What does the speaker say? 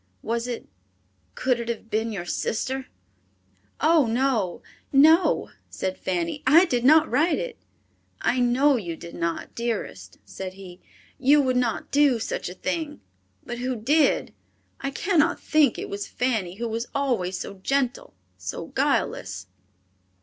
Was it, could it have been your sister?" "Oh, no! No!" said Fanny, "I did not write it." "I know you did not, dearest," said he; "you would not do such a thing, but who did? I cannot think it was Fanny, who was always so gentle, so guileless."